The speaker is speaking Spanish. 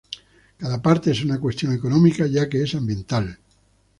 Cada parte es una cuestión económica, ya que es ambiental.